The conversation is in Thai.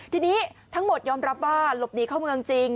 ทีนี้ทั้งหมดยอมรับว่าหลบหนีเข้าเมืองจริง